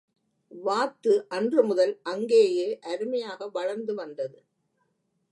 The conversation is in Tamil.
வாத்து அன்று முதல் அங்கேயே அருமையாக வளர்ந்து வந்தது.